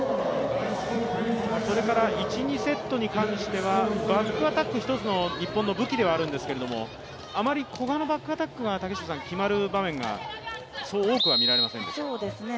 それから１・２セットに関しては、バックアタックが日本の武器ではあるんですが、古賀のバックアタックが決まる場面がそう多くはありませんでしたね。